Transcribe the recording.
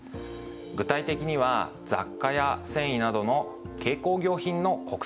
具体的には雑貨や繊維などの軽工業品の国産化です。